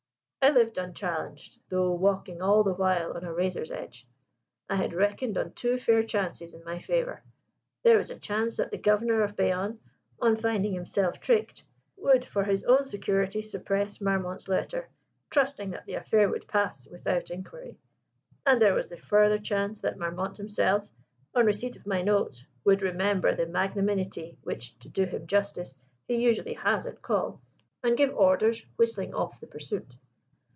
I lived unchallenged, though walking all the while on a razor's edge. I had reckoned on two fair chances in my favour. There was a chance that the Governor of Bayonne, on finding himself tricked, would for his own security suppress Marmont's letter, trusting that the affair would pass without inquiry: and there was the further chance that Marmont himself, on receipt of my note, would remember the magnanimity which (to do him justice) he usually has at call, and give orders whistling off the pursuit.